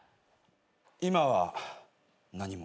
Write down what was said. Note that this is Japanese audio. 今は何も。